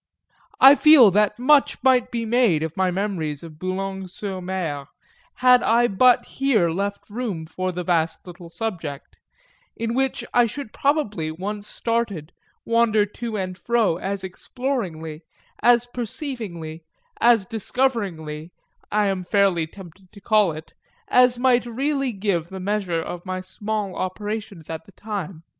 XXIX I feel that much might be made of my memories of Boulogne sur Mer had I but here left room for the vast little subject; in which I should probably, once started, wander to and fro as exploringly, as perceivingly, as discoveringly, I am fairly tempted to call it, as might really give the measure of my small operations at the time.